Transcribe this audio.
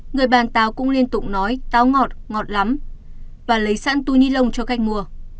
người bàn táo cũng liên tục nói táo ngọt ngọt lắm và lấy sẵn túi nilon cho khách mua